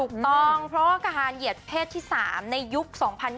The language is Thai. ถูกต้องเพราะว่าทหารเหยียดเพศที่๓ในยุค๒๐๒๐